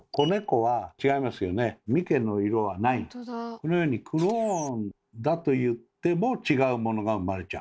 このようにクローンだといっても違うものが生まれちゃう。